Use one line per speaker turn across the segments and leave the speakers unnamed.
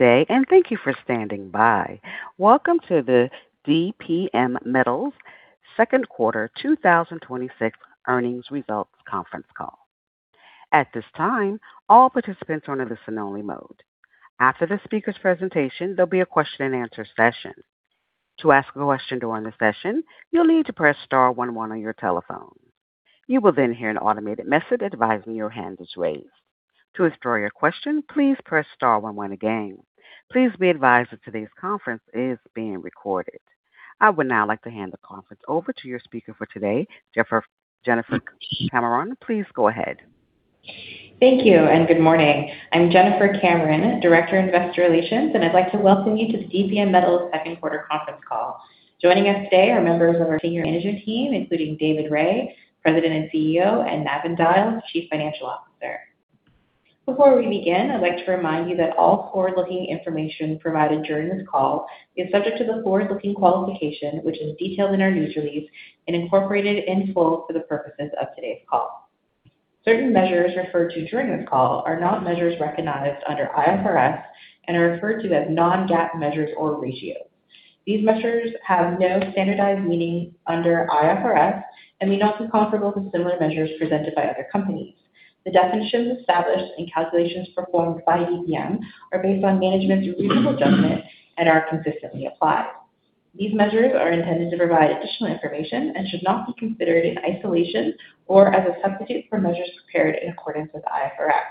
Good day, and thank you for standing by. Welcome to the DPM Metals second quarter 2026 earnings results conference call. At this time, all participants are in listen only mode. After the speaker's presentation, there'll be a question and answer session. To ask a question during the session, you'll need to press star one one on your telephone. You will then hear an automated message advising your hand is raised. To withdraw your question, please press star one one again. Please be advised that today's conference is being recorded. I would now like to hand the conference over to your speaker for today, Jennifer Cameron. Please go ahead.
Thank you, and good morning. I'm Jennifer Cameron, Director of Investor Relations, and I'd like to welcome you to the DPM Metals second quarter conference call. Joining us today are members of our senior management team, including David Rae, President and CEO, and Navin Dyal, Chief Financial Officer. Before we begin, I'd like to remind you that all forward-looking information provided during this call is subject to the forward-looking qualification, which is detailed in our news release and incorporated in full for the purposes of today's call. Certain measures referred to during this call are not measures recognized under IFRS and are referred to as non-GAAP measures or ratios. These measures have no standardized meaning under IFRS and may not be comparable to similar measures presented by other companies. The definitions established and calculations performed by DPM are based on management's reasonable judgment and are consistently applied. These measures are intended to provide additional information and should not be considered in isolation or as a substitute for measures prepared in accordance with IFRS.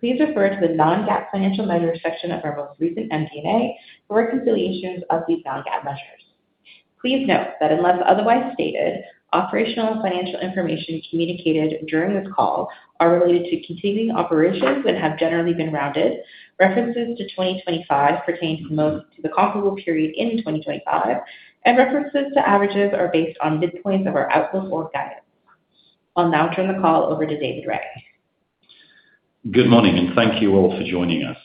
Please refer to the non-GAAP financial measures section of our most recent MD&A for reconciliations of these non-GAAP measures. Please note that unless otherwise stated, operational and financial information communicated during this call are related to continuing operations and have generally been rounded. References to 2025 pertain to most to the comparable period in 2025, and references to averages are based on midpoints of our outlook or guidance. I'll now turn the call over to David Rae.
Good morning, and thank you all for joining us.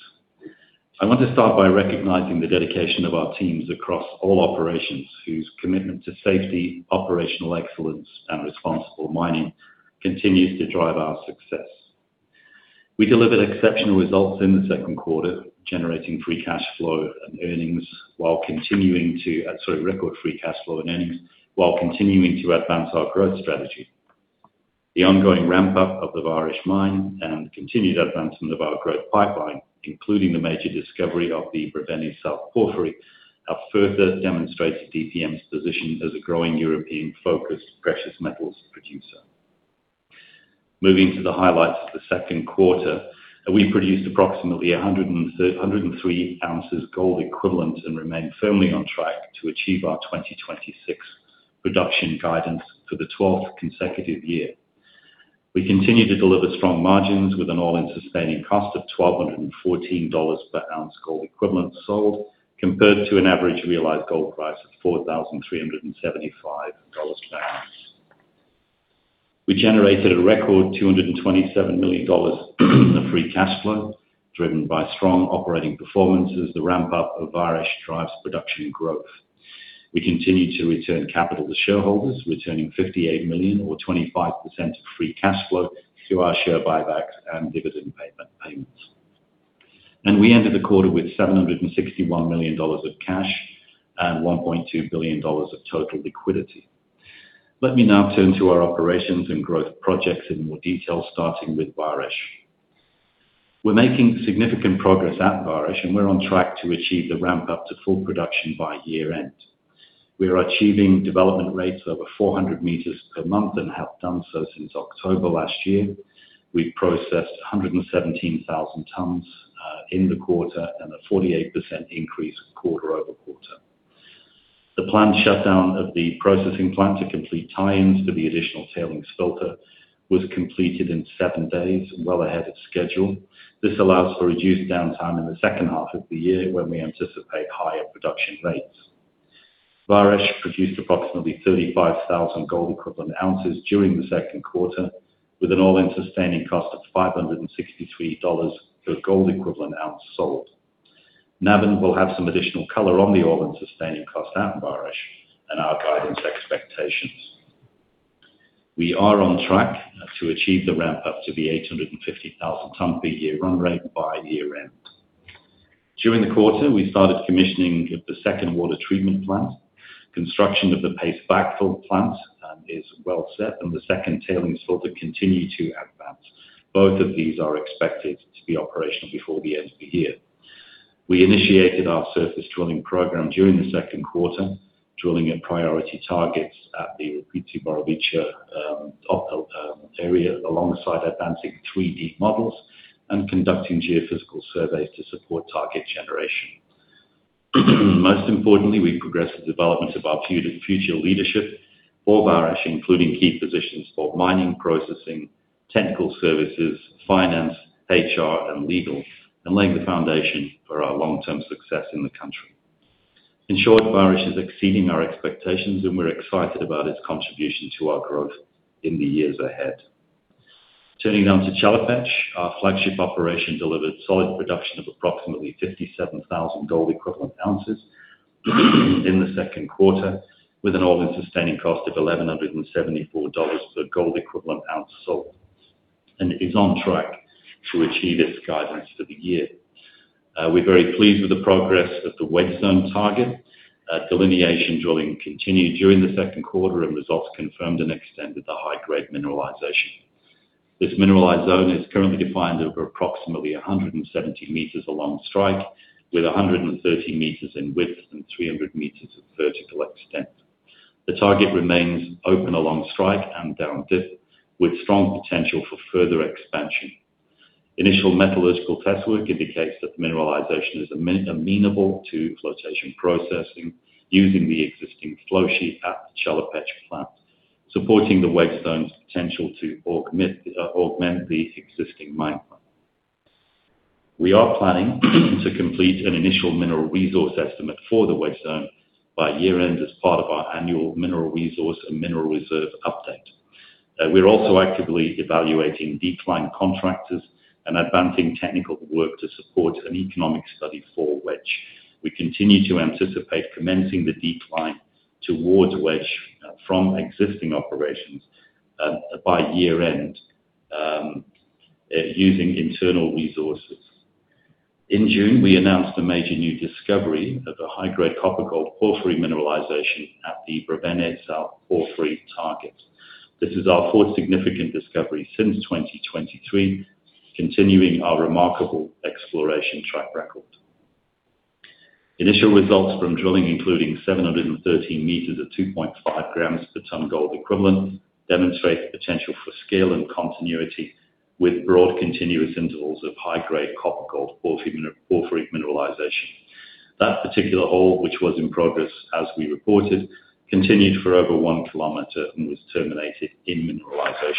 I want to start by recognizing the dedication of our teams across all operations, whose commitment to safety, operational excellence, and responsible mining continues to drive our success. We delivered exceptional results in the second quarter, generating record free cash flow and earnings while continuing to advance our growth strategy. The ongoing ramp-up of the Vareš Mine and continued advancement of our growth pipeline, including the major discovery of the Brevene South Porphyry, have further demonstrated DPM's position as a growing European-focused precious metals producer. Moving to the highlights of the second quarter, we produced approximately 103 oz of gold equivalent and remain firmly on track to achieve our 2026 production guidance for the 12th consecutive year. We continue to deliver strong margins with an AISC of $1,214 per ounce GEO sold, compared to an average realized gold price of $4,375 per ounce. We generated a record $227 million in free cash flow, driven by strong operating performances. The ramp-up of Vareš drives production growth. We continue to return capital to shareholders, returning $58 million or 25% of free cash flow to our share buybacks and dividend payments. We ended the quarter with $761 million of cash and $1.2 billion of total liquidity. Turn to our operations and growth projects in more detail, starting with Vareš. We are making significant progress at Vareš, we are on track to achieve the ramp-up to full production by year-end. We are achieving development rates of over 400 meters per month and have done so since October last year. We processed 117,000 tons in the quarter, a 48% increase quarter-over-quarter. The planned shutdown of the processing plant to complete tie-ins to the additional tailings filter was completed in seven days, well ahead of schedule. This allows for reduced downtime in the second half of the year when we anticipate higher production rates. Vareš produced approximately 35,000 GEO during the second quarter, with an AISC of $563 per GEO sold. Navin will have some additional color on the AISC at Vareš and our guidance expectations. We are on track to achieve the ramp-up to the 850,000 ton per year run rate by year-end. During the quarter, we started commissioning of the second water treatment plant. Construction of the paste backfill plant is well set, the second tailings filter continue to advance. Both of these are expected to be operational before the end of the year. We initiated our surface drilling program during the second quarter, drilling at priority targets at the Piatra Craiului area, alongside advancing 3D models and conducting geophysical surveys to support target generation. Most importantly, we progressed the development of our future leadership for Vareš, including key positions for mining, processing, technical services, finance, HR, and legal, laying the foundation for our long-term success in the country. In short, Vareš is exceeding our expectations, we are excited about its contribution to our growth in the years ahead. To Chelopech. Our flagship operation delivered solid production of approximately 57,000 GEO in the second quarter, with an AISC of $1,174 of GEO sold. Is on track to achieve its guidance for the year. We are very pleased with the progress of the Wedge Zone target. Delineation drilling continued during the second quarter, results confirmed and extended the high-grade mineralization. This mineralized zone is currently defined over approximately 170 m along strike, with 130 m in width and 300 m of vertical extent. The target remains open along strike and down dip, with strong potential for further expansion. Initial metallurgical test work indicates that the mineralization is amenable to flotation processing using the existing flow sheet at the Chelopech plant, supporting the Wedge Zone's potential to augment the existing mine plan. We are planning to complete an initial mineral resource estimate for the Wedge Zone by year-end as part of our annual mineral resource and mineral reserve update. We are also actively evaluating decline contractors and advancing technical work to support an economic study for Wedge. We continue to anticipate commencing the decline towards Wedge from existing operations by year-end, using internal resources. In June, we announced a major new discovery of a high-grade copper-gold porphyry mineralization at the Brevene South Porphyry target. This is our fourth significant discovery since 2023, continuing our remarkable exploration track record. Initial results from drilling, including 730 m of 2.5 grams per ton gold equivalent, demonstrate the potential for scale and continuity with broad continuous intervals of high-grade copper-gold porphyry mineralization. That particular hole, which was in progress as we reported, continued for over one kilometer and was terminated in mineralization.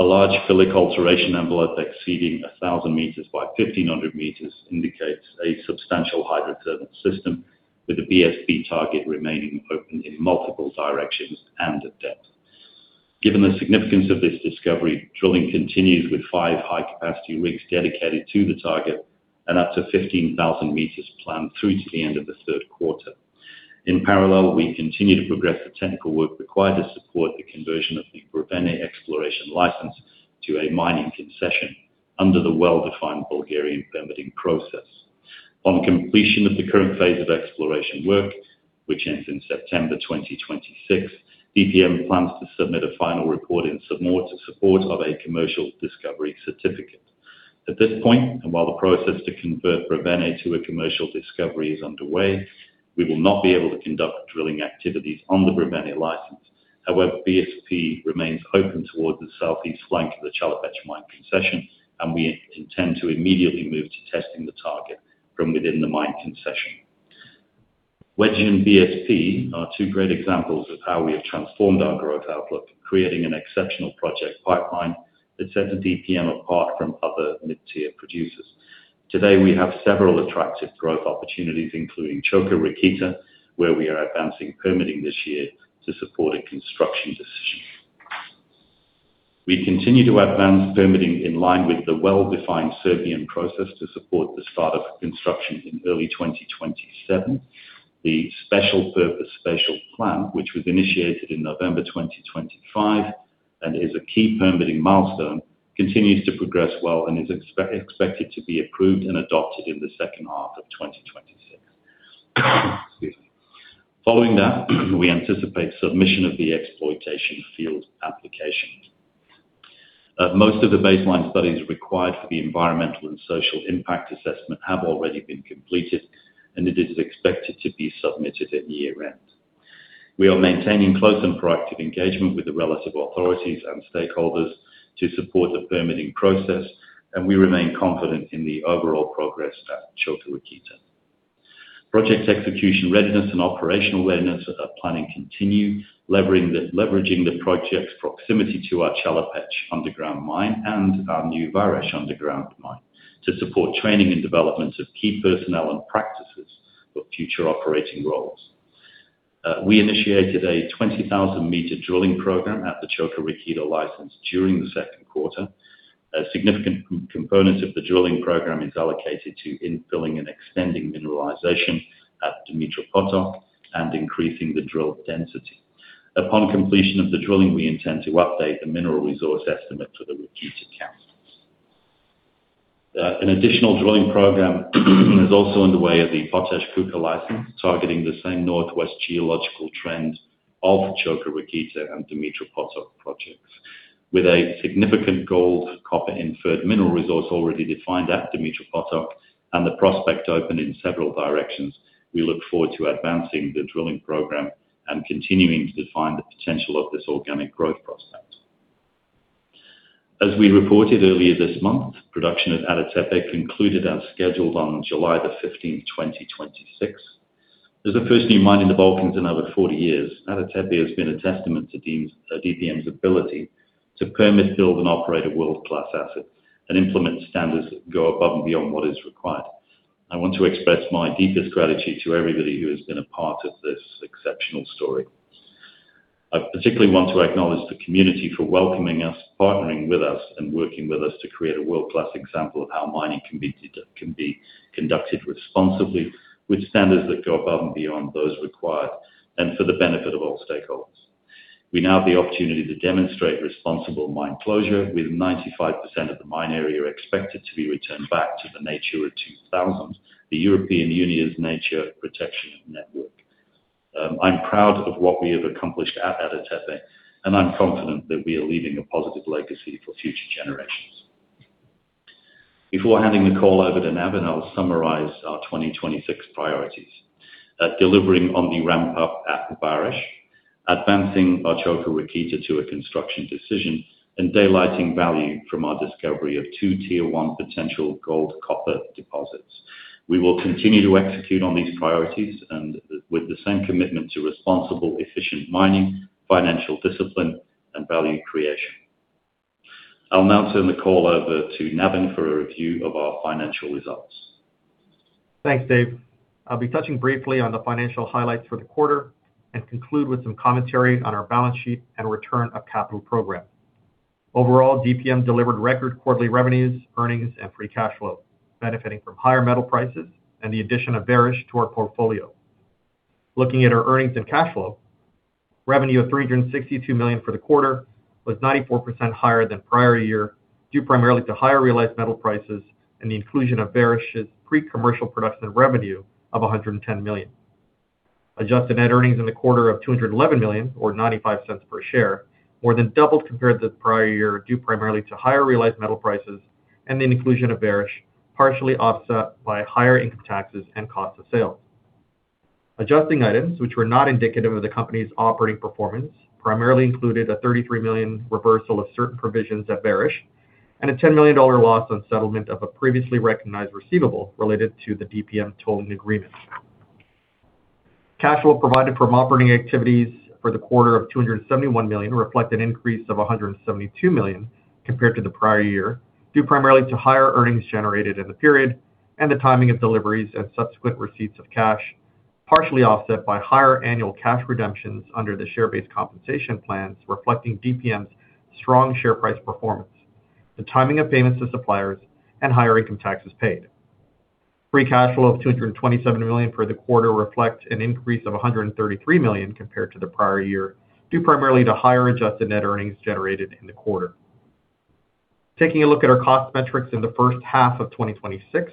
A large phyllic alteration envelope exceeding 1,000 m by 1,500 m indicates a substantial hydrothermal system, with the BSP target remaining open in multiple directions and at depth. Given the significance of this discovery, drilling continues with five high-capacity rigs dedicated to the target and up to 15,000 m planned through to the end of the third quarter. In parallel, we continue to progress the technical work required to support the conversion of the Brevene exploration license to a mining concession under the well-defined Bulgarian permitting process. On completion of the current phase of exploration work, which ends in September 2026, DPM plans to submit a final report in support of a Commercial Discovery Certificate. At this point, while the process to convert Brevene to a commercial discovery is underway, we will not be able to conduct drilling activities on the Brevene license. However, BSP remains open towards the southeast flank of the Chelopech mine concession, and we intend to immediately move to testing the target from within the mine concession. Wedge and BSP are two great examples of how we have transformed our growth outlook, creating an exceptional project pipeline that sets DPM apart from other mid-tier producers. Today, we have several attractive growth opportunities, including Čoka Rakita, where we are advancing permitting this year to support a construction decision. We continue to advance permitting in line with the well-defined Serbian process to support the start of construction in early 2027. The special purpose spatial plan, which was initiated in November 2025 and is a key permitting milestone, continues to progress well and is expected to be approved and adopted in the second half of 2026. Excuse me. Following that, we anticipate submission of the exploitation permit application. Most of the baseline studies required for the environmental and social impact assessment have already been completed, and it is expected to be submitted at year-end. We are maintaining close and proactive engagement with the relative authorities and stakeholders to support the permitting process, we remain confident in the overall progress at Čoka Rakita. Project execution readiness and operational readiness are planning continue, leveraging the project's proximity to our Chelopech underground mine and our new Vareš underground mine to support training and development of key personnel and practices for future operating roles. We initiated a 20,000-meter drilling program at the Čoka Rakita license during the second quarter. A significant component of the drilling program is allocated to infilling and extending mineralization at Dumitru Potok and increasing the drill density. Upon completion of the drilling, we intend to update the mineral resource estimate for the Rakita camp. An additional drilling program is also underway at the Potaj Čuka license, targeting the same northwest geological trend of Čoka Rakita and Dumitru Potok projects. With a significant gold-copper inferred mineral resource already defined at Dumitru Potok and the prospect open in several directions, we look forward to advancing the drilling program and continuing to define the potential of this organic growth prospect. As we reported earlier this month, production at Ada Tepe concluded as scheduled on July 15th, 2026. As the first new mine in the Balkans in over 40 years, Ada Tepe has been a testament to DPM's ability to permit, build, and operate a world-class asset and implement standards that go above and beyond what is required. I want to express my deepest gratitude to everybody who has been a part of this exceptional story. I particularly want to acknowledge the community for welcoming us, partnering with us, and working with us to create a world-class example of how mining can be conducted responsibly with standards that go above and beyond those required and for the benefit of all stakeholders. We now have the opportunity to demonstrate responsible mine closure with 95% of the mine area expected to be returned back to the Natura 2000, the European Union's Nature Protection Network. I'm proud of what we have accomplished at Ada Tepe, and I'm confident that we are leaving a positive legacy for future generations. Before handing the call over to Navin, I'll summarize our 2026 priorities. Delivering on the ramp-up at Vareš, advancing Čoka Rakita to a construction decision, and daylighting value from our discovery of two tier 1 potential gold-copper deposits. We will continue to execute on these priorities and with the same commitment to responsible, efficient mining, financial discipline, and value creation. I'll now turn the call over to Navin for a review of our financial results.
Thanks, David. I'll be touching briefly on the financial highlights for the quarter and conclude with some commentary on our balance sheet and return of capital program. Overall, DPM delivered record quarterly revenues, earnings, and free cash flow, benefiting from higher metal prices and the addition of Vareš to our portfolio. Looking at our earnings and cash flow, revenue of $362 million for the quarter was 94% higher than prior year, due primarily to higher realized metal prices and the inclusion of Vareš's pre-commercial production revenue of $110 million. Adjusted net earnings in the quarter of $211 million, or $0.95 per share, more than doubled compared to the prior year, due primarily to higher realized metal prices and the inclusion of Vareš, partially offset by higher income taxes and cost of sales. Adjusting items which were not indicative of the company's operating performance primarily included a $33 million reversal of certain provisions at Vareš and a $10 million loss on settlement of a previously recognized receivable related to the DPM tolling agreement. Cash flow provided from operating activities for the quarter of $271 million reflect an increase of $172 million compared to the prior year, due primarily to higher earnings generated in the period and the timing of deliveries and subsequent receipts of cash, partially offset by higher annual cash redemptions under the share-based compensation plans reflecting DPM's strong share price performance, the timing of payments to suppliers, and higher income taxes paid. Free cash flow of $227 million for the quarter reflects an increase of $133 million compared to the prior year, due primarily to higher adjusted net earnings generated in the quarter. Taking a look at our cost metrics in the first half of 2026,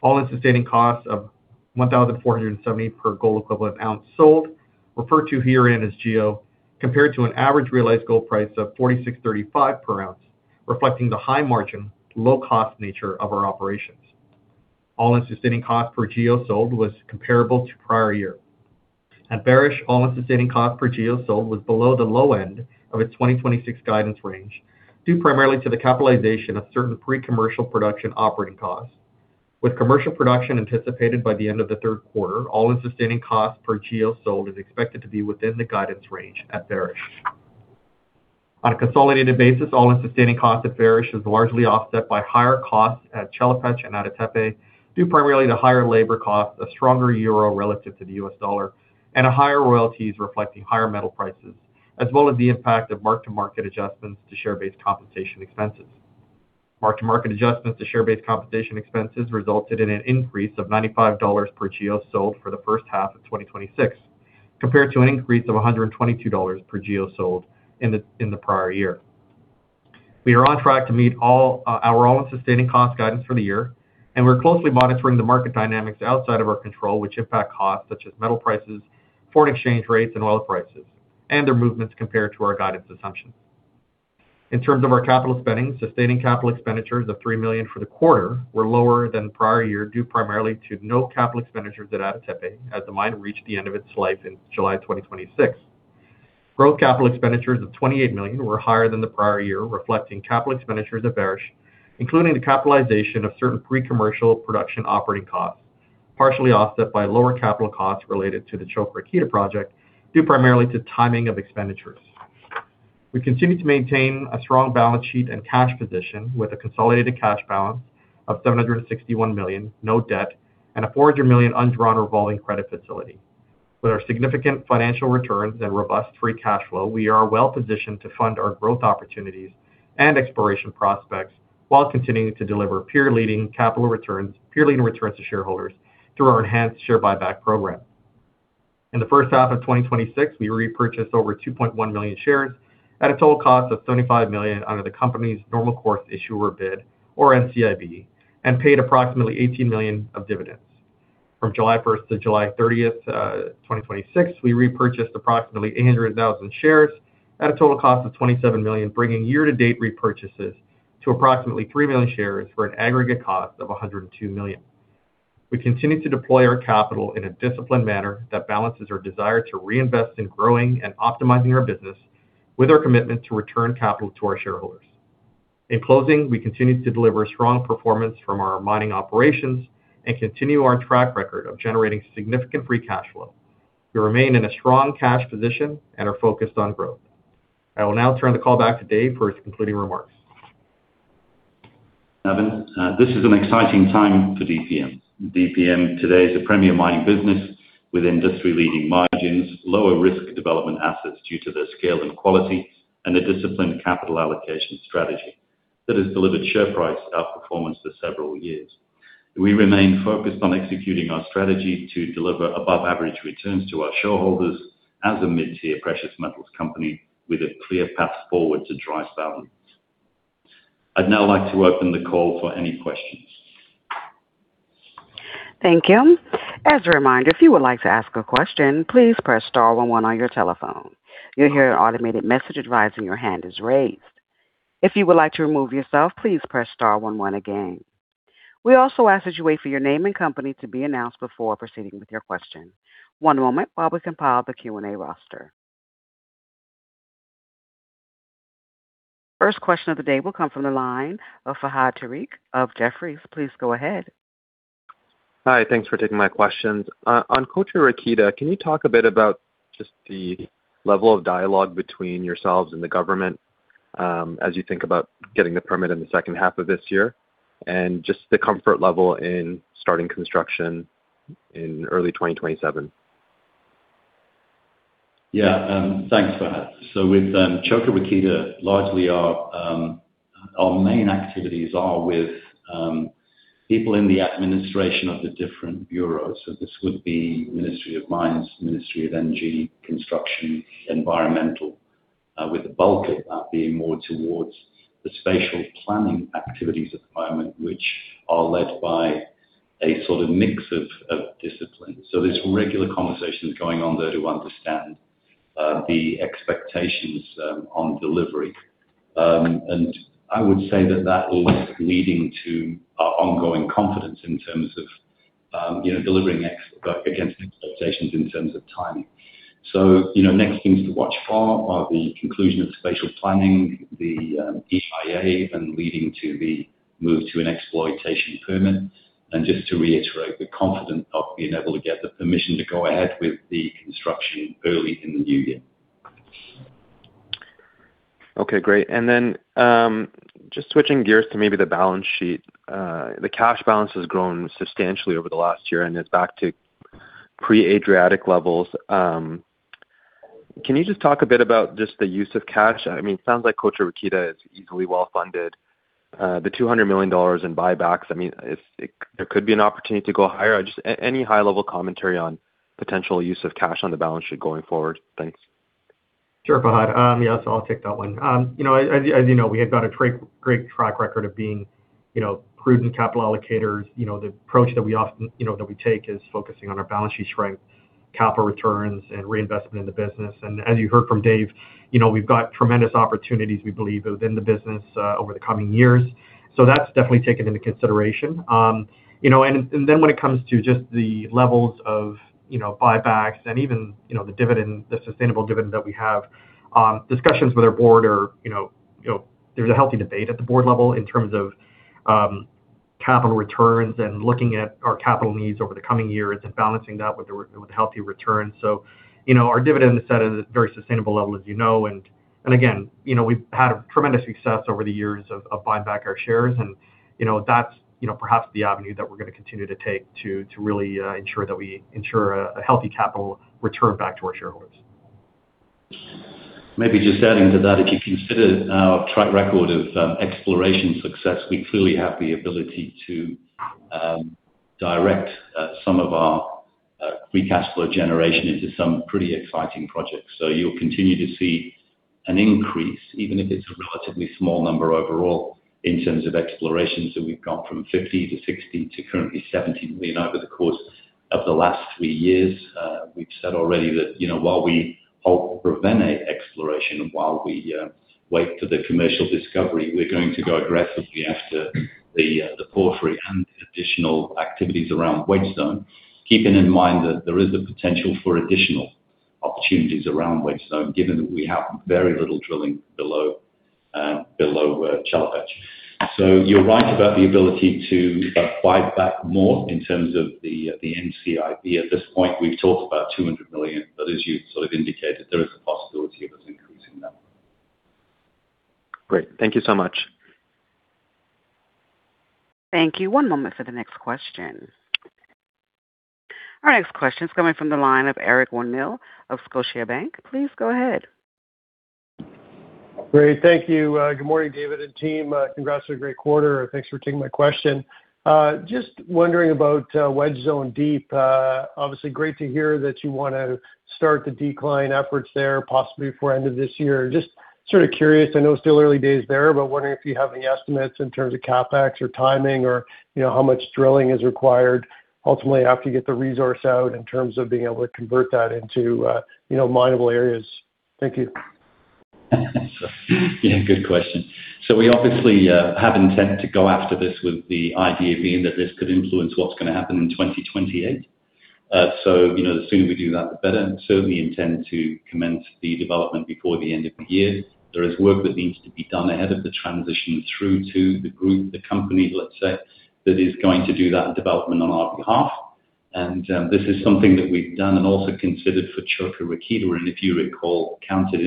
All-in Sustaining Costs of $1,470 per gold equivalent ounce sold, referred to herein as GEO, compared to an average realized gold price of $4,635 per ounce, reflecting the high margin, low cost nature of our operations. All-in Sustaining Cost per GEO sold was comparable to prior year. At Vareš, All-in Sustaining Cost per GEO sold was below the low end of its 2026 guidance range, due primarily to the capitalization of certain pre-commercial production operating costs. With commercial production anticipated by the end of the third quarter, All-in Sustaining Costs per GEO sold is expected to be within the guidance range at Vareš. On a consolidated basis, All-in Sustaining Cost at Vareš is largely offset by higher costs at Chelopech and Ada Tepe due primarily to higher labor costs, a stronger euro relative to the US dollar, and higher royalties reflecting higher metal prices, as well as the impact of mark-to-market adjustments to share-based compensation expenses. Mark-to-market adjustments to share-based compensation expenses resulted in an increase of $95 per GEO sold for the first half of 2026, compared to an increase of $122 per GEO sold in the prior year. We are on track to meet all our All-in Sustaining Cost guidance for the year, and we're closely monitoring the market dynamics outside of our control, which impact costs such as metal prices, foreign exchange rates, and oil prices and their movements compared to our guidance assumptions. In terms of our capital spending, sustaining capital expenditures of $3 million for the quarter were lower than prior year, due primarily to no capital expenditures at Ada Tepe, as the mine reached the end of its life in July 2026. Growth capital expenditures of $28 million were higher than the prior year, reflecting capital expenditures at Vareš, including the capitalization of certain pre-commercial production operating costs, partially offset by lower capital costs related to the Čoka Rakita project, due primarily to timing of expenditures. We continue to maintain a strong balance sheet and cash position with a consolidated cash balance of $761 million, no debt, and a $400 million undrawn revolving credit facility. With our significant financial returns and robust free cash flow, we are well-positioned to fund our growth opportunities and exploration prospects while continuing to deliver peer-leading capital returns, peer-leading returns to shareholders through our enhanced share buyback program. In the first half of 2026, we repurchased over 2.1 million shares at a total cost of $75 million under the company's normal course issuer bid, or NCIB, and paid approximately $18 million of dividends. From July 1st to July 30th, 2026, we repurchased approximately 800,000 shares at a total cost of $27 million, bringing year-to-date repurchases to approximately 3 million shares for an aggregate cost of $102 million. We continue to deploy our capital in a disciplined manner that balances our desire to reinvest in growing and optimizing our business with our commitment to return capital to our shareholders. In closing, we continue to deliver strong performance from our mining operations and continue our track record of generating significant free cash flow. We remain in a strong cash position and are focused on growth. I will now turn the call back to David for his concluding remarks.
Navin, this is an exciting time for DPM. DPM today is a premier mining business with industry-leading margins, lower risk development assets due to their scale and quality, and a disciplined capital allocation strategy. That has delivered share price outperformance for several years. We remain focused on executing our strategy to deliver above-average returns to our shareholders as a mid-tier precious metals company with a clear path forward to dry stacking. I'd now like to open the call for any questions.
Thank you. As a reminder, if you would like to ask a question, please press star one one on your telephone. You'll hear an automated message advising your hand is raised. If you would like to remove yourself, please press star one one again. We also ask that you wait for your name and company to be announced before proceeding with your question. One moment while we compile the Q&A roster. First question of the day will come from the line of Fahad Tariq of Jefferies. Please go ahead.
Hi, thanks for taking my questions. On Čoka Rakita, can you talk a bit about just the level of dialogue between yourselves and the government, as you think about getting the permit in the second half of this year? Just the comfort level in starting construction in early 2027.
Thanks, Fahad. With Čoka Rakita, largely our main activities are with people in the administration of the different bureaus. This would be Ministry of Mines, Ministry of Energy, Construction, Environmental, with the bulk of that being more towards the spatial planning activities at the moment, which are led by a sort of mix of disciplines. There's regular conversations going on there to understand the expectations on delivery. I would say that that is leading to our ongoing confidence in terms of delivering against expectations in terms of timing. Next things to watch for are the conclusion of spatial planning, the EIA and leading to the move to an exploitation permit, and just to reiterate the confidence of being able to get the permission to go ahead with the construction early in the new year.
Great. Then, just switching gears to maybe the balance sheet. The cash balance has grown substantially over the last year, and it's back to pre-Adriatic levels. Can you just talk a bit about just the use of cash? It sounds like Čoka Rakita is easily well-funded. The $200 million in buybacks, there could be an opportunity to go higher. Just any high-level commentary on potential use of cash on the balance sheet going forward. Thanks.
Sure, Fahad. I'll take that one. As you know, we have got a great track record of being prudent capital allocators. The approach that we take is focusing on our balance sheet strength, capital returns and reinvestment in the business. As you heard from David, we've got tremendous opportunities we believe within the business, over the coming years. That's definitely taken into consideration. Then when it comes to just the levels of buybacks and even the sustainable dividend that we have, discussions with our board are, there's a healthy debate at the board level in terms of capital returns and looking at our capital needs over the coming years and balancing that with healthy returns. Our dividend is set at a very sustainable level, as you know, again, we've had tremendous success over the years of buying back our shares and that's perhaps the avenue that we're going to continue to take to really ensure that we ensure a healthy capital return back to our shareholders.
Maybe just adding to that, if you consider our track record of exploration success, we clearly have the ability to direct some of our free cash flow generation into some pretty exciting projects. You'll continue to see an increase, even if it's a relatively small number overall, in terms of exploration. We've gone from $50 million to $60 million to currently $70 million over the course of the last three years. We've said already that, while we halt Brevene exploration, while we wait for the Commercial Discovery, we're going to go aggressively after the porphyry and additional activities around Wedge Zone, keeping in mind that there is the potential for additional opportunities around Wedge Zone, given that we have very little drilling below Chelopech. You're right about the ability to buy back more in terms of the NCIB. At this point, we've talked about $200 million, as you sort of indicated, there is a possibility of us increasing that.
Great. Thank you so much.
Thank you. One moment for the next question. Our next question is coming from the line of Eric Winmill of Scotiabank. Please go ahead.
Great. Thank you. Good morning, David and team. Congrats on a great quarter. Thanks for taking my question. Just wondering about Wedge Zone Deep. Obviously, great to hear that you want to start the decline efforts there possibly before end of this year. Just sort of curious, I know it's still early days there, but wondering if you have any estimates in terms of CapEx or timing or how much drilling is required ultimately after you get the resource out in terms of being able to convert that into mineable areas. Thank you.
Yeah, good question. We obviously have intent to go after this with the idea being that this could influence what's going to happen in 2028. The sooner we do that, the better. Certainly intend to commence the development before the end of the year. There is work that needs to be done ahead of the transition through to the group, the company, let's say, that is going to do that development on our behalf. This is something that we've done and also considered for Čoka Rakita, and if you recall, counted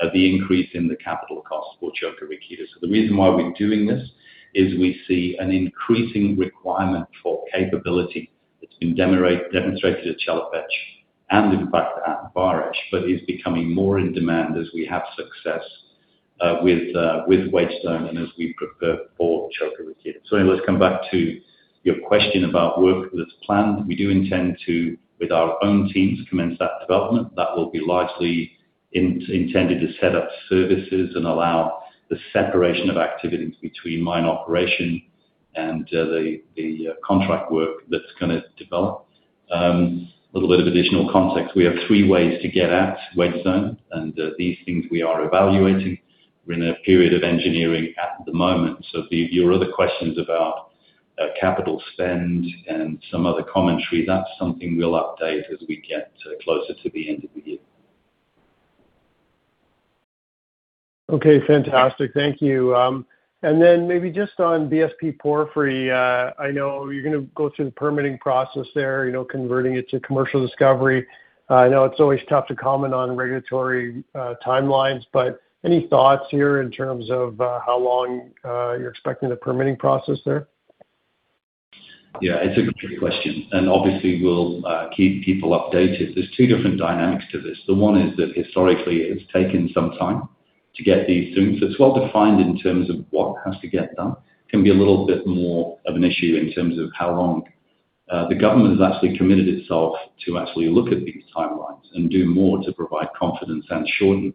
into the increase in the capital cost for Čoka Rakita. The reason why we're doing this is we see an increasing requirement for capability that's been demonstrated at Chelopech and in fact at Vareš, but is becoming more in demand as we have success with Wedge Zone and as we prepare for Čoka Rakita. Let's come back to your question about work that's planned. We do intend to, with our own teams, commence that development. That will be largely intended to set up services and allow the separation of activities between mine operation and the contract work that's going to develop. A little bit of additional context. We have three ways to get at Wedge Zone, and these things we are evaluating. We're in a period of engineering at the moment. Your other questions about capital spend and some other commentary, that's something we'll update as we get closer to the end of the year.
Okay, fantastic. Thank you. Maybe just on BSP porphyry, I know you're going to go through the permitting process there, converting it to Commercial Discovery Certificate. I know it's always tough to comment on regulatory timelines, but any thoughts here in terms of how long you're expecting the permitting process there?
Yeah, it's a good question, obviously, we'll keep people updated. There's two different dynamics to this. The one is that historically it's taken some time to get these through. It's well-defined in terms of what has to get done. Can be a little bit more of an issue in terms of how long. The government has actually committed itself to actually look at these timelines and do more to provide confidence and shorten.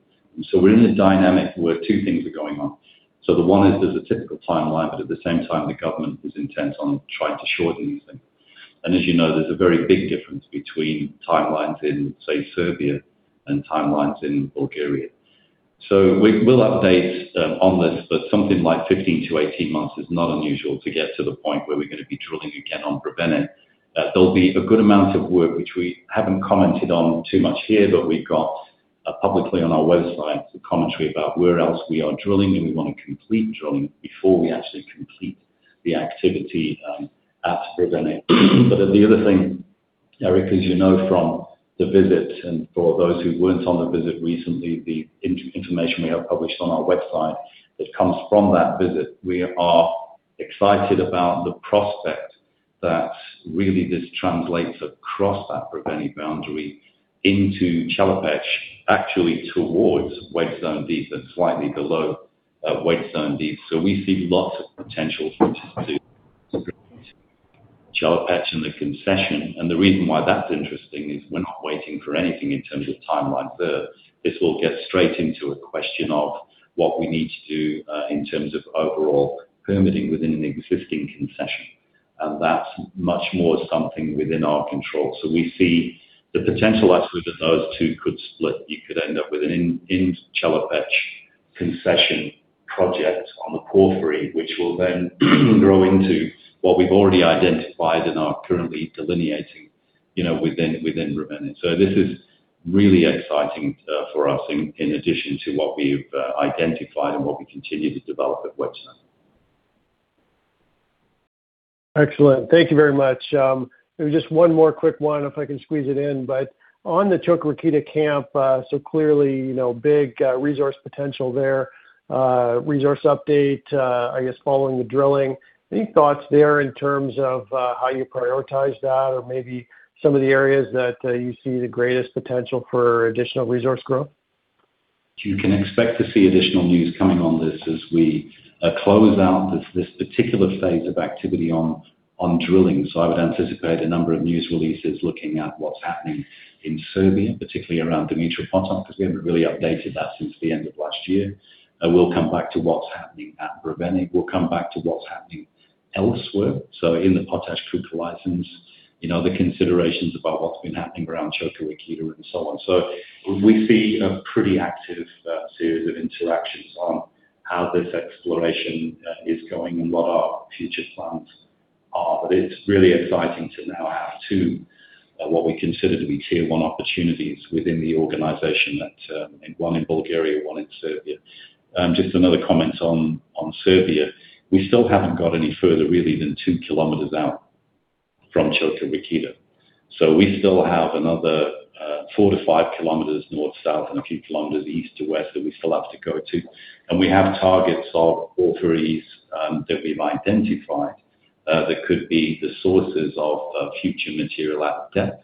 We're in a dynamic where two things are going on. The one is there's a typical timeline, at the same time, the government is intent on trying to shorten these things. As you know, there's a very big difference between timelines in, say, Serbia and timelines in Bulgaria. We'll update on this, something like 15-18 months is not unusual to get to the point where we're going to be drilling again on Brevene. There'll be a good amount of work which we haven't commented on too much here, we've got publicly on our website a commentary about where else we are drilling. We want to complete drilling before we actually complete the activity at Brevene. Then the other thing, Eric Winmill, as you know from the visit, for those who weren't on the visit recently, the information we have published on our website that comes from that visit. We are excited about the prospect that really this translates across that Brevene boundary into Chelopech, actually towards Wedge Zone Deep and slightly below Wedge Zone Deep. We see lots of potential to do Chelopech and the concession. The reason why that's interesting is we're not waiting for anything in terms of timeline there. This will get straight into a question of what we need to do in terms of overall permitting within an existing concession, that's much more something within our control. We see the potential actually that those two could split. You could end up with an in Chelopech concession project on the porphyry, which will then grow into what we've already identified and are currently delineating within Brevene. This is really exciting for us in addition to what we've identified and what we continue to develop at Wedge Zone.
Excellent. Thank you very much. Maybe just one more quick one if I can squeeze it in. On the Čoka Rakita camp, clearly big resource potential there. Resource update, I guess following the drilling. Any thoughts there in terms of how you prioritize that or maybe some of the areas that you see the greatest potential for additional resource growth?
You can expect to see additional news coming on this as we close out this particular phase of activity on drilling. I would anticipate a number of news releases looking at what's happening in Serbia, particularly around Dimitrovgrad, because we haven't really updated that since the end of last year. We'll come back to what's happening at Brevene. We'll come back to what's happening elsewhere. In the Potaj Čuka exploration license, the considerations about what's been happening around Čoka Rakita and so on. We see a pretty active series of interactions on how this exploration is going and what our future plans are. It's really exciting to now have two, what we consider to be tier 1 opportunities within the organization that one in Bulgaria, one in Serbia. Just another comment on Serbia. We still haven't got any further, really, than 2 km out from Čoka Rakita. We still have another 4 to 5 km north, south, and a few kilometers east to west that we still have to go to. We have targets of porphyries that we've identified that could be the sources of future material at depth,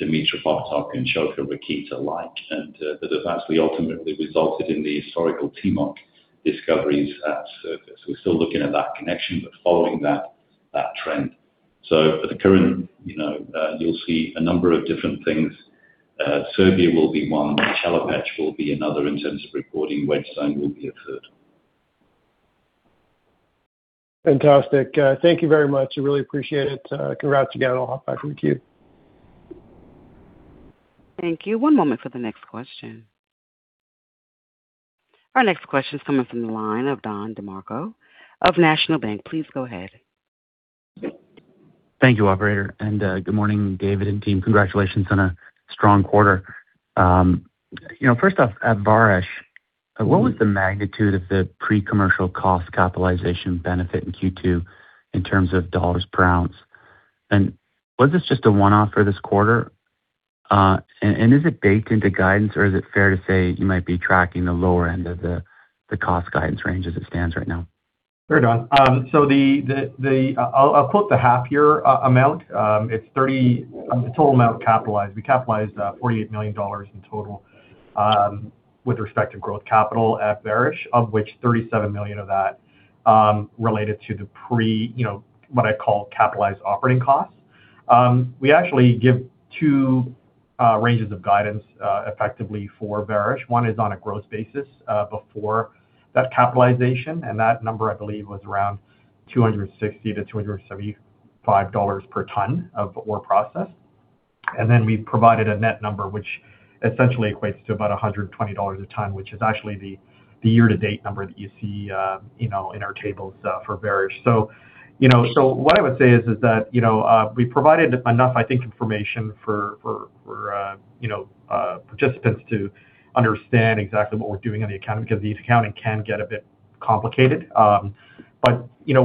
Dimitrovgrad and Čoka Rakita like, and that have actually ultimately resulted in the historical Timok discoveries at surface. We're still looking at that connection, following that trend. At the current, you'll see a number of different things. Serbia will be one. Chelopech will be another in terms of reporting. Wedge Zone will be a third.
Fantastic. Thank you very much. I really appreciate it. Congrats again. I'll hop back from the queue.
Thank you. One moment for the next question. Our next question is coming from the line of Don DeMarco of National Bank. Please go ahead.
Thank you, operator. Good morning, David and team. Congratulations on a strong quarter. First off, at Vareš, what was the magnitude of the pre-commercial cost capitalization benefit in Q2 in terms of dollars per ounce? Was this just a one-off for this quarter? Is it baked into guidance, or is it fair to say you might be tracking the lower end of the cost guidance range as it stands right now?
Sure, Don. I'll quote the half-year amount. We capitalized $48 million in total, with respect to growth capital at Vareš, of which $37 million of that related to the pre, what I call capitalized operating costs. We actually give two ranges of guidance, effectively for Vareš. One is on a gross basis, before that capitalization. That number, I believe, was around $260-$275 per tonne of ore processed. Then we provided a net number, which essentially equates to about $120 a tonne, which is actually the year-to-date number that you see in our tables for Vareš. What I would say is that we provided enough information for participants to understand exactly what we're doing on the accounting, because the accounting can get a bit complicated.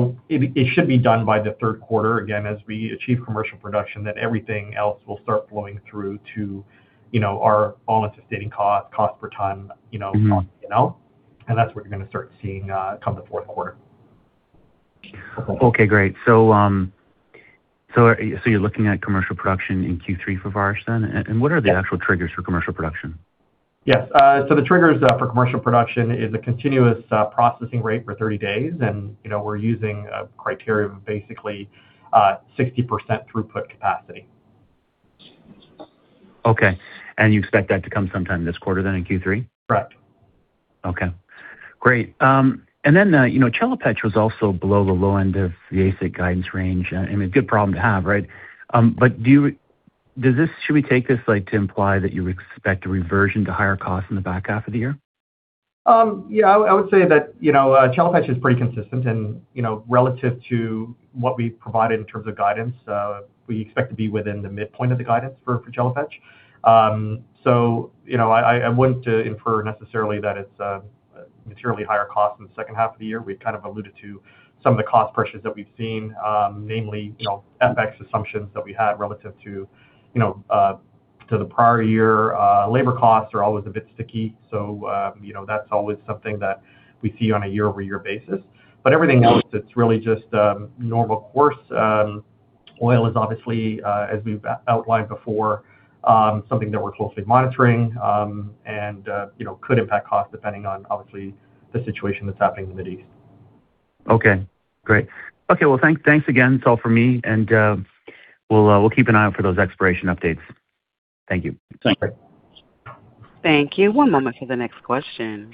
It should be done by the third quarter, again, as we achieve commercial production, then everything else will start flowing through to our All-in Sustaining Cost, cost per tonne, that's what you're going to start seeing come the fourth quarter.
Okay, great. You're looking at commercial production in Q3 for Vareš then? What are the actual triggers for commercial production?
Yes. The triggers for commercial production is a continuous processing rate for 30 days. We're using a criteria of basically, 60% throughput capacity.
Okay. You expect that to come sometime this quarter then, in Q3?
Correct.
Okay, great. Chelopech was also below the low end of the AISC guidance range. I mean, a good problem to have, right? Should we take this to imply that you expect a reversion to higher costs in the back half of the year?
Yeah, I would say that Chelopech is pretty consistent and relative to what we provided in terms of guidance, we expect to be within the midpoint of the guidance for Chelopech. I wouldn't infer necessarily that it's materially higher cost in the second half of the year. We've kind of alluded to some of the cost pressures that we've seen, namely, FX assumptions that we had relative to the prior year. Labor costs are always a bit sticky. That's always something that we see on a year-over-year basis. Everything else, it's really just normal course. Oil is obviously, as we've outlined before, something that we're closely monitoring, and could impact cost depending on obviously the situation that's happening in the Middle East.
Okay, great. Thanks again. That's all for me. We'll keep an eye out for those exploration updates. Thank you.
Thanks.
Thank you. One moment for the next question.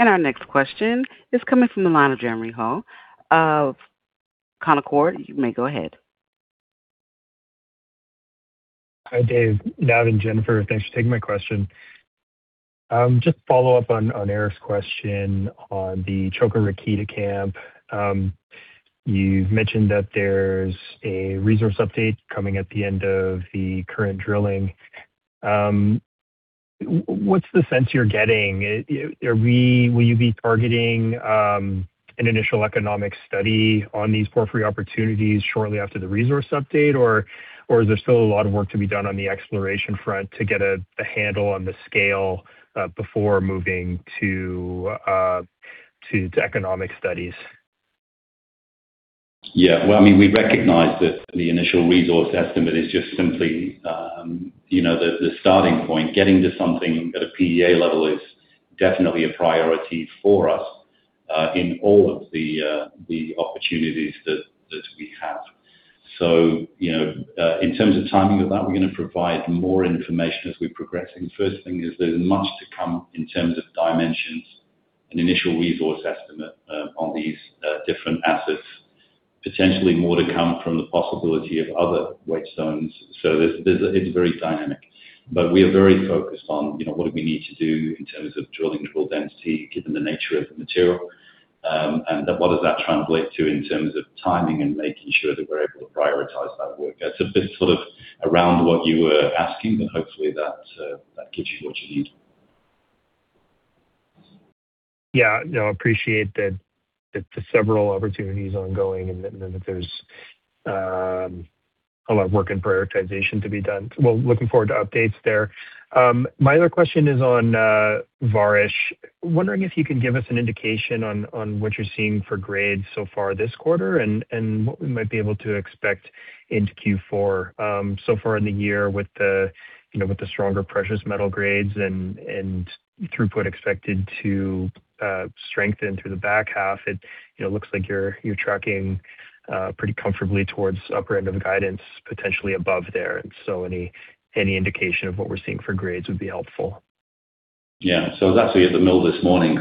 Our next question is coming from the line of Jeremy Hall of Concord. You may go ahead.
Hi, David, Nav, and Jennifer. Thanks for taking my question. Just follow up on Eric's question on the Čoka Rakita camp. You've mentioned that there's a resource update coming at the end of the current drilling. What's the sense you're getting? Will you be targeting an initial economic study on these porphyry opportunities shortly after the resource update, or is there still a lot of work to be done on the exploration front to get a handle on the scale before moving to economic studies?
We recognize that the initial resource estimate is just simply the starting point. Getting to something at a PEA level is definitely a priority for us, in all of the opportunities that we have. In terms of timing of that, we're going to provide more information as we progress. The first thing is there's much to come in terms of dimensions and initial resource estimate on these different assets. Potentially more to come from the possibility of other wedged zones. It's very dynamic, but we are very focused on what we need to do in terms of drilling the drill density, given the nature of the material. What does that translate to in terms of timing and making sure that we're able to prioritize that work. That's a bit sort of around what you were asking, but hopefully that gives you what you need.
No, appreciate the several opportunities ongoing and that there's a lot of work and prioritization to be done. Well, looking forward to updates there. My other question is on Vareš. Wondering if you can give us an indication on what you're seeing for grades so far this quarter, and what we might be able to expect into Q4. So far in the year with the stronger precious metal grades and throughput expected to strengthen through the back half. It looks like you're tracking pretty comfortably towards upper end of guidance, potentially above there. Any indication of what we're seeing for grades would be helpful.
I was actually at the mill this morning,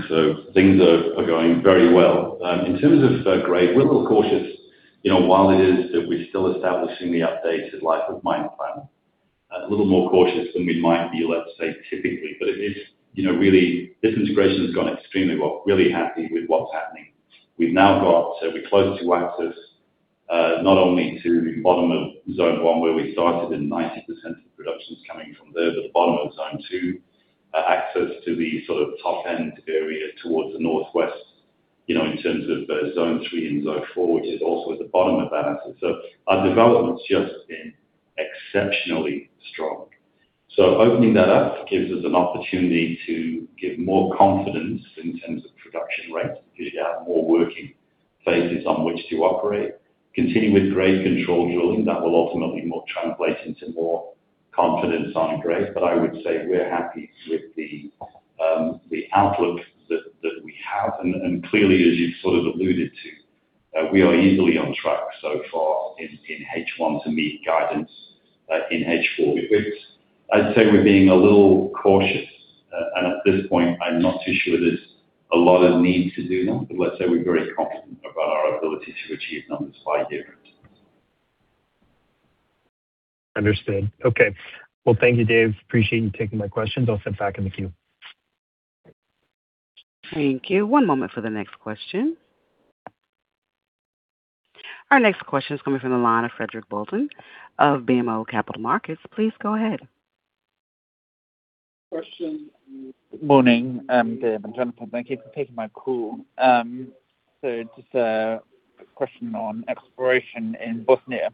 things are going very well. In terms of grade, we're a little cautious. While it is that we're still establishing the updated life of mine plan, a little more cautious than we might be, let's say, typically. This integration has gone extremely well, really happy with what's happening. We're close to access, not only to the bottom of zone 1 where we started, and 90% of the production's coming from there, but the bottom of zone 2, access to the sort of top end area towards the northwest, in terms of zone 3 and zone 4, which is also at the bottom of that asset. Our development's just been exceptionally strong. Opening that up gives us an opportunity to give more confidence in terms of production rates because you have more working phases on which to operate. Continue with grade control drilling, that will ultimately translate into more confidence on grade. I would say we're happy with the outlook that we have. Clearly, as you've sort of alluded to, we are easily on track so far in H1 to meet guidance in H4. I'd say we're being a little cautious. At this point, I'm not too sure there's a lot of need to do that. Let's say we're very confident about our ability to achieve numbers by year-end.
Understood. Okay. Well, thank you, David. Appreciate you taking my questions. I'll step back in the queue.
Thank you. One moment for the next question. Our next question is coming from the line of Frederic Bolton of BMO Capital Markets. Please go ahead.
Question. Morning, David and Jennifer Cameron. Thank you for taking my call. Just a question on exploration in Bosnia.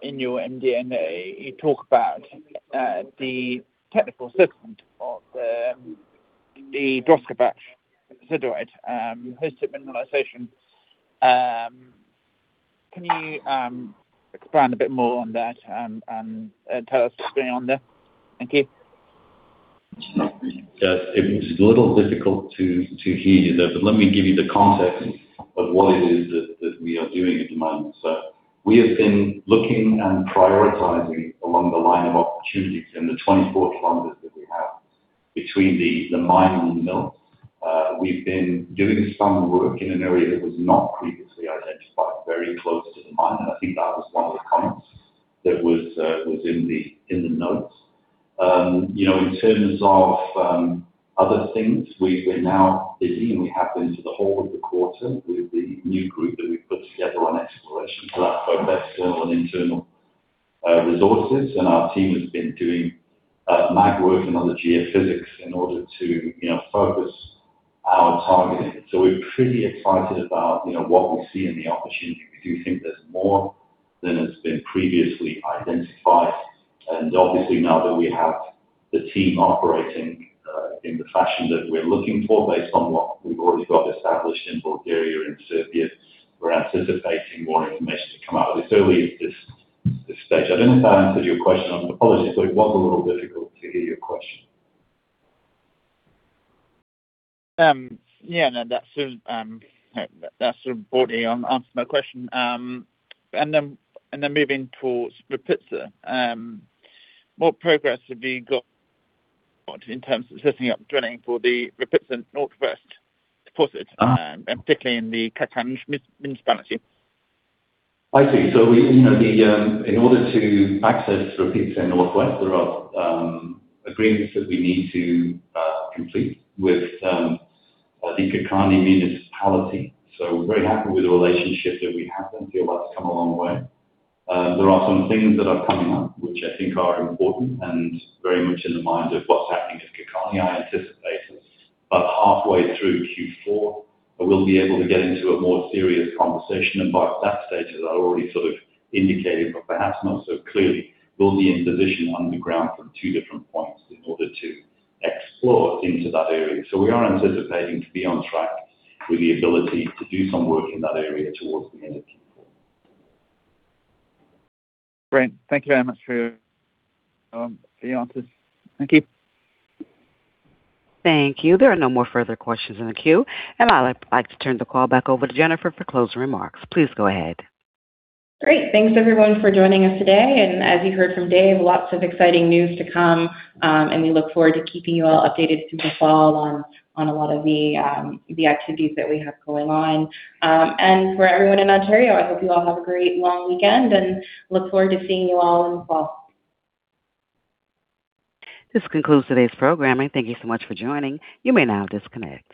In your MD&A, you talk about the technical assessment of the Draskovac sediment-hosted mineralization. Can you expand a bit more on that and tell us what's going on there? Thank you.
It was a little difficult to hear you there, let me give you the context of what it is that we are doing at the moment. We have been looking and prioritizing along the line of opportunities in the 24 km that we have between the mine and the mill. We've been doing some work in an area that was not previously identified, very close to the mine. I think that was one of the comments that was in the notes. In terms of other things, we're now busy, and we have been through the whole of the quarter with the new group that we've put together on exploration. That's focused on internal resources, and our team has been doing magnetic survey and other geophysics in order to focus our targeting. We're pretty excited about what we see and the opportunity. We do think there's more than has been previously identified. Obviously, now that we have the team operating in the fashion that we're looking for based on what we've already got established in Bulgaria and Serbia, we're anticipating more information to come out. It's early at this stage. I don't know if that answers your question. Apologies, it was a little difficult to hear your question.
Yeah. No, that sort of broadly answered my question. Moving towards Rupice. What progress have you got in terms of setting up drilling for the Rupice Northwest Deposit, and particularly in the Kakanj municipality?
I see. In order to access Rupice Northwest, there are agreements that we need to complete with the Kakanj municipality. We're very happy with the relationship that we have and feel that's come a long way. There are some things that are coming up, which I think are important and very much in the mind of what's happening to Kakanj. I anticipate that about halfway through Q4, we'll be able to get into a more serious conversation. By that stage, as I already sort of indicated, but perhaps not so clearly, we'll be in position on the ground from two different points in order to explore into that area. We are anticipating to be on track with the ability to do some work in that area towards the end of Q4.
Great. Thank you very much for the answers. Thank you.
Thank you. There are no more further questions in the queue. I'd like to turn the call back over to Jennifer for closing remarks. Please go ahead.
Great. Thanks everyone for joining us today. As you heard from David, lots of exciting news to come. We look forward to keeping you all updated through the fall on a lot of the activities that we have going on. For everyone in Ontario, I hope you all have a great long weekend, and look forward to seeing you all in the fall.
This concludes today's programming. Thank you so much for joining. You may now disconnect.